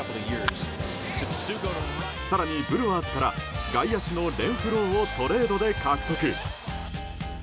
更に、ブルワーズから外野手のレンフローをトレードで獲得。